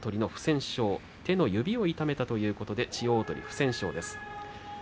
手の指を痛めたということで千代鳳の不戦勝です。